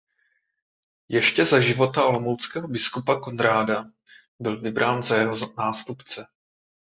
Ještě za života olomouckého biskupa Konráda byl vybrán za jeho nástupce.